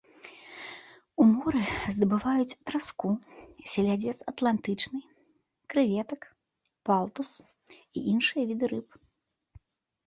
У моры здабываюць траску, селядзец атлантычны, крэветак, палтус і іншыя віды рыб.